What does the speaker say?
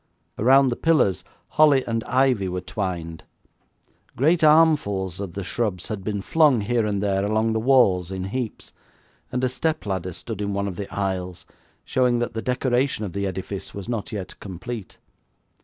Around the pillars holly and ivy were twined. Great armfuls of the shrubs had been flung here and there along the walls in heaps, and a step ladder stood in one of the aisles, showing that the decoration of the edifice was not yet complete.